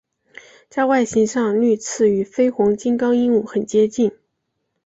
在外形上绿翅与绯红金刚鹦鹉很接近。